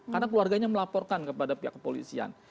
karena keluarganya melaporkan kepada pihak kepolisian